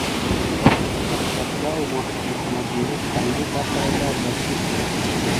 ډاکټر عبدالله او محمد یونس قانوني دا قرارداد لاسليک کړ.